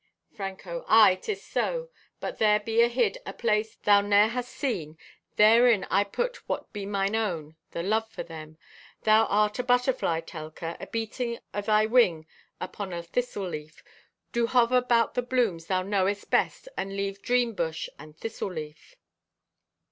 (Franco) "Aye, 'tis so, but there be ahid a place thou ne'er hast seen. Therein I put what be mine own—the love for them. Thou art a butterfly, Telka, abeating o' thy wing upon a thistle leaf. Do hover 'bout the blooms thou knowest best and leave dream bush and thistle leaf."